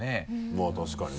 まぁ確かにね。